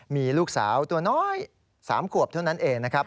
มีลูกสาวตัวน้อย๓ขวบเท่านั้นเองนะครับ